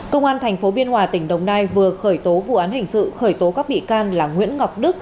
công an tp biên hòa tỉnh đồng nai vừa khởi tố vụ án hình sự khởi tố các bị can là nguyễn ngọc đức